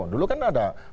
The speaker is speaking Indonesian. dulu kan ada